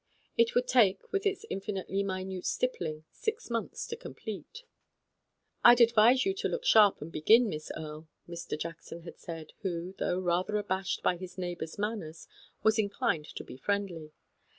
It would take, with its infinitely minute stippling, six months to complete. " I'd advise you to look sharp and begin, Miss Erie," said Mr. Jackson, who, though rather abashed by his neighbour's manners, was inclined to be friendly.